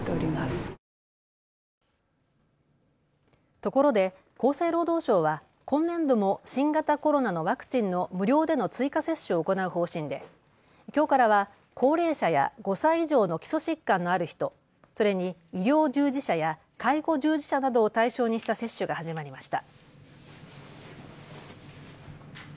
ところで厚生労働省は今年度も新型コロナのワクチンの無料での追加接種を行う方針できょうからは高齢者や５歳以上の基礎疾患のある人それに医療従事者や介護従事者などを対象にした接種が始まりました。